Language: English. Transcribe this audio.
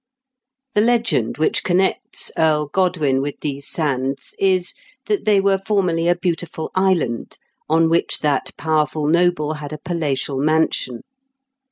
The legend which connects Earl Godwin with these sands is, that they were formerly a beautiful island, on which that powerful noble had a palatial mansion.